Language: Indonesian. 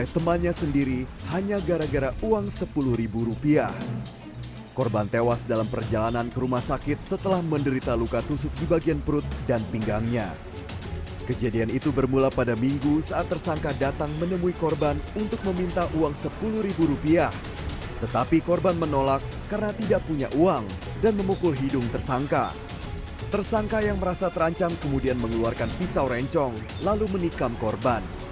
tersangka yang merasa terancam kemudian mengeluarkan pisau rencong lalu menikam korban